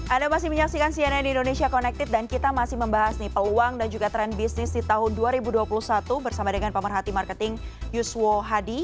anda masih menyaksikan cnn indonesia connected dan kita masih membahas nih peluang dan juga tren bisnis di tahun dua ribu dua puluh satu bersama dengan pemerhati marketing yuswo hadi